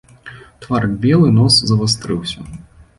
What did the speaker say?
Тварык белы, нос завастрыўся.